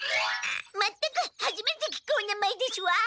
まったくはじめて聞くお名前ですわ！